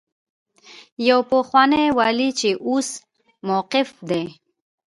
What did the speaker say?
يو پخوانی والي چې اوس موقوف دی.